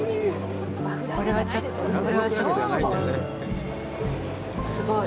これはちょっと、これはちょっとすごい。